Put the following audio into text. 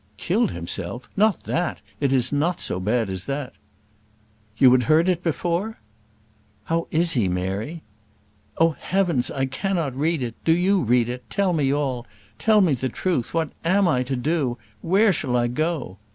"Killed himself! Not that. It is not so bad as that." "You had heard it before?" "How is he, Mary?" "Oh, heavens! I cannot read it. Do you read it. Tell me all. Tell me the truth. What am I to do? Where shall I go?"